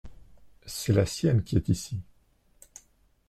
C’est la sienne qui est ici.